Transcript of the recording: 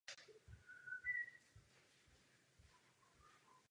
V současnosti byl již celý systém obnoven.